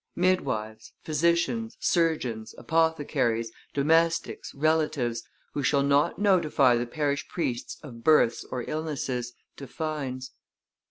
Midwives, physicians, surgeons, apothecaries, domestics, relatives, who shall not notify the parish priests of births or illnesses, to fines.